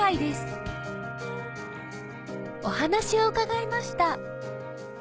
お話を伺いました